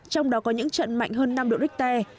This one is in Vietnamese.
trong đó có những trận mạnh hơn năm độ richter